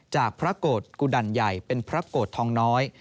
จากพระโกรธกุดันใหญ่เป็นพระโกรธทองน้อย